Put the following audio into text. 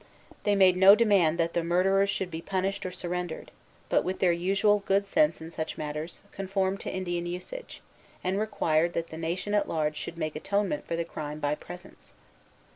They made no demand that the murderers should be punished or surrendered, but, with their usual good sense in such matters, conformed to Indian usage, and required that the nation at large should make atonement for the crime by presents.